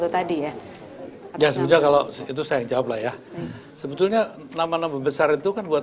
tadi ya sebetulnya kalau itu saya jawab lah ya sebetulnya nama nama besar itu kan buat